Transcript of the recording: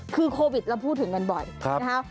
คือโควิดเราพูดถึงกันบ่อยนะคะ